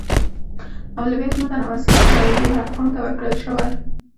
اولویت متن او اصلي شرعي احکامو ته ورکړل شوی.